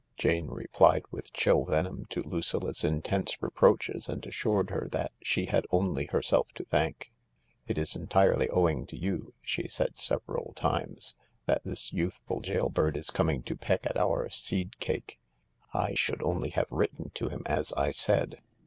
Jane replied with chill venom to Lucilla's intense re proaches and assured her that she had only herself to thank. " It is entirely owing to you," she said several times, " that this youthful jail bird is coining to peck at our seed cake. J should only have written to him, as I said.